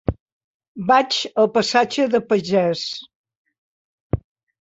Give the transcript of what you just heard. Vaig al passatge de Pagès.